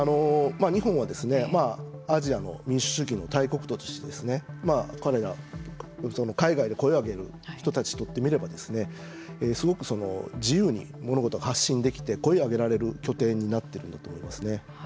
日本はアジアの民主主義の大国として彼ら海外で声を上げる人たちにとってみればすごく自由に物事を発信できて声を上げられる拠点になっているんだと思いますね。